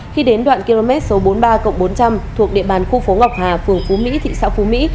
khi đến đoạn km số bốn mươi ba bốn trăm linh thuộc địa bàn khu phố ngọc hà phường phú mỹ thị xã phú mỹ